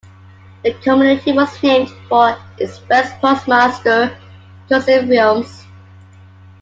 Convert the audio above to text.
The community was named for its first postmaster, Joseph Wilmes.